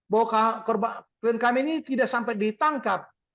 bahwa klien kami ini tidak sampai ditangkap